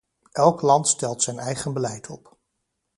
Elk land stelt zijn eigen beleid op.